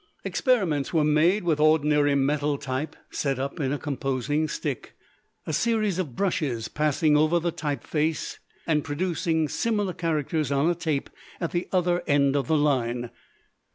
Experiments were made with ordinary metal type set up in a composing stick, a series of brushes passing over the type faces and producing similar characters on a tape at the other end of the line.